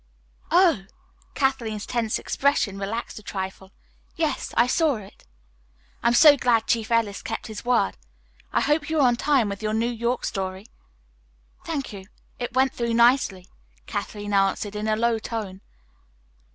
"Oh!" Kathleen's tense expression relaxed a trifle. "Yes, I saw it." "I am so glad Chief Ellis kept his word. I hope you were on time with your New York story." "Thank you. It went through nicely!" Kathleen answered in a low tone.